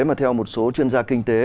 mà theo một số chuyên gia kinh tế